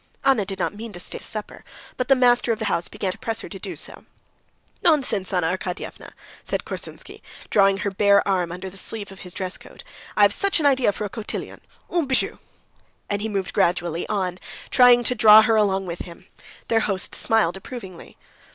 Anna did not mean to stay to supper, but the master of the house began to press her to do so. "Nonsense, Anna Arkadyevna," said Korsunsky, drawing her bare arm under the sleeve of his dress coat, "I've such an idea for a cotillion! Un bijou!" And he moved gradually on, trying to draw her along with him. Their host smiled approvingly.